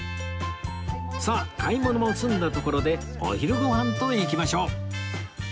さあ買い物も済んだところでお昼ご飯といきましょう